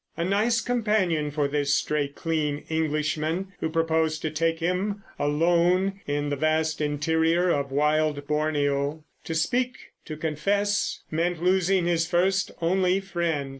A nice companion for this straight, clean Englishman, who proposed to take him, alone, in the vast interior of wild Borneo. To speak, to confess, meant losing his first, only friend.